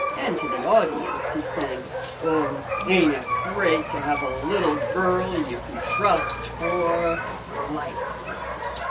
And to the audience he sang, "Oh, ain't it great to have a little girlie you can trust for life!"